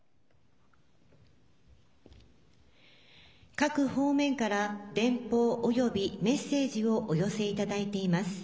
各方面から電報およびメッセージをお寄せいただいています。